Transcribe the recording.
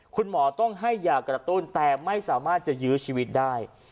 คุณหมอต้องให้ยากระตุ้นแต่ไม่สามารถจะยื้อชีวิตได้